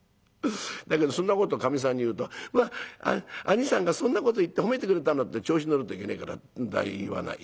だけどそんなことかみさんに言うと『まあ兄さんがそんなこと言って褒めてくれたんだ』って調子乗るといけねえから言わない。